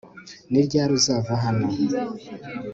Ni ryari uzava hano